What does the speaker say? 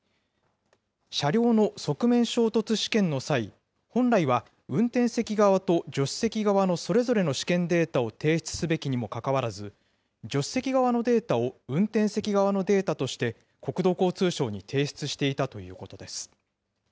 車両の側面衝突試験の際、本来は運転席側と助手席側のそれぞれの試験データを提出すべきにもかかわらず、助手席側のデータを運転席側のデータとして国土交通省に提出していたということです。